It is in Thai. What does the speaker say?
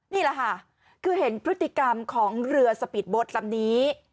นี่แหละค่ะคือเห็นพฤติกรรมของเรือสปีดโบ๊ทลำนี้